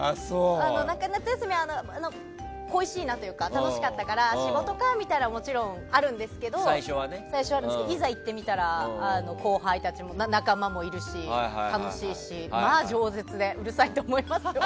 夏休みが恋しいなというか楽しかったから仕事かみたいなのはもちろんあるんですけどいざ、行ってみたら後輩たちや仲間もいるし楽しいし、まあ饒舌でうるさいと思いますよ。